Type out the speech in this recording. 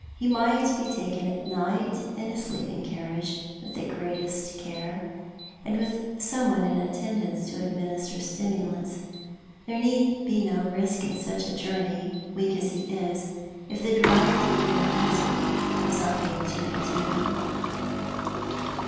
He might be taken at night in a sleeping carriage, with the greatest care, and with some one in attendance to administer stimulants. There need be no risk in such a journey, weak as he is, if the drive from here to Keswick is not made too fatiguing."